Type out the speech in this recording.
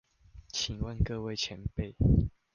請問各位前輩